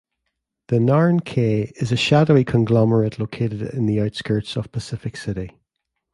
The Narn K is a shadowy conglomerate located in the outskirts of Pacific City.